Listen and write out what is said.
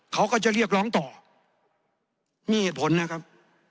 เขาก็จะเรียกร้องต่อมีเหตุผลนะครับ